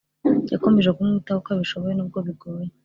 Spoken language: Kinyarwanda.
Yakomeje kumwitaho uko abishoboye n ubwo bigoye